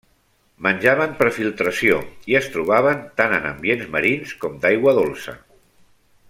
Menjaven per filtració i es trobaven tant en ambients marins com d'aigua dolça.